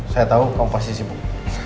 saya tahu kamu pasti sibuk